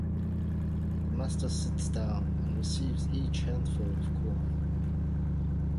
The master sits down and receives each handful of corn.